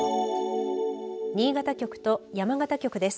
新潟局と山形局です。